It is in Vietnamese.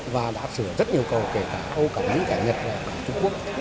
và đã sửa rất nhiều cầu kể cả âu cảnh cả nhật và cả trung quốc